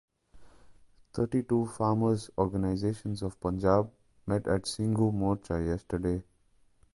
Thirty-two farmers' organisations of Punjab met at Singhu Morcha yesterday.